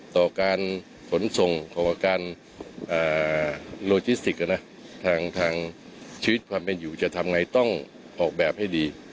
ต่อการขนส่งของอาการโลจิสติกทางชีวิตความเป็นอยู่จะทำไงต้องออกแบบให้ดี